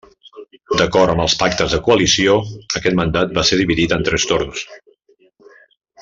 D'acord amb els pactes de coalició, aquest mandat va ser dividit en tres torns.